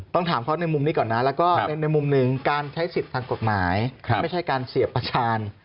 ถามเขาในมุมนี้ก่อนนะแล้วก็ในมุมหนึ่งการใช้สิทธิ์ทางกฎหมายไม่ใช่การเสียประชาญ